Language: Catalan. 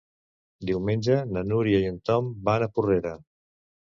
Diumenge na Núria i en Tom van a Porrera.